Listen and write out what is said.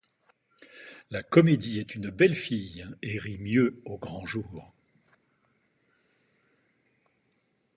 La comédie Est une belle fille, et rit mieux au grand jour.